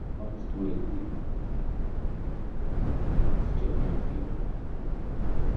The first "MidWeek" editor was Cheryl Deep.